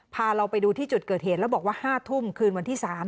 พาเราไปดูที่จุดเกิดเหตุแล้วบอกว่า๕ทุ่มคืนวันที่๓